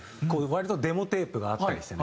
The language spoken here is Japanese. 割とデモテープがあったりしてね。